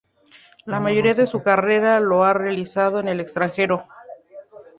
La mayoría de su carrera la ha realizado en el extranjero.